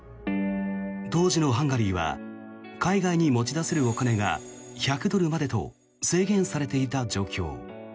当時のハンガリーは海外に持ち出せるお金が１００ドルまでと制限されていた状況。